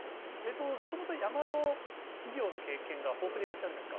もともと山の医療の経験が豊富でいらっしゃるんですか？